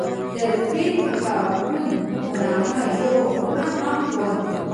د رفیع کتابتون په نامه یوه خونه هم وه.